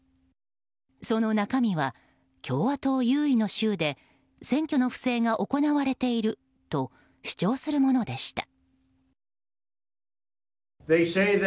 その中身は共和党優位の州で選挙の不正が行われていると主張するものでした。